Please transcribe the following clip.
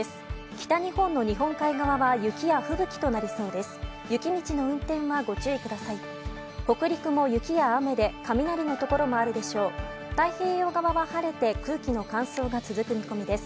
北日本の日本海側は、雪や吹雪となりそうです。